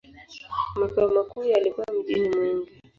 Makao makuu yalikuwa mjini Mwingi.